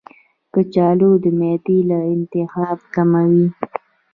کچالو د معدې التهاب کموي.